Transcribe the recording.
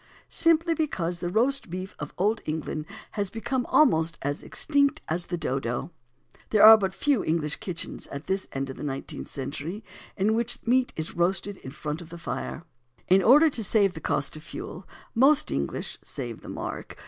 Simply because the Roast Beef of Old England has become almost as extinct as the Dodo. There are but few English kitchens, at this end of the nineteenth century, in the which meat is roasted in front of the fire. In order to save the cost of fuel, most English (save the mark!)